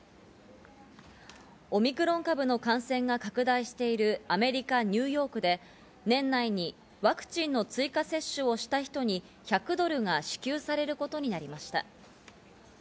オミクロン株の感染が拡大しているアメリカ・ニューヨークで年内にはワクチンの追加接種をした人に１００ドルが支給されることになりました。